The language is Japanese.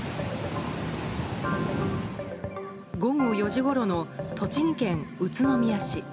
午後４時ごろの栃木県宇都宮市。